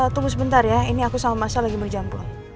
tunggu sebentar ya ini aku sama masa lagi berjam